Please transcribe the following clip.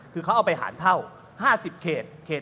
คือเขาเอาไปหารเท่า๕๐เขต